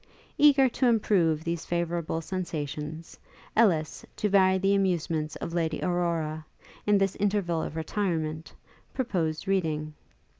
Eager to improve these favourable sensations, Ellis, to vary the amusements of Lady Aurora, in this interval of retirement, proposed reading.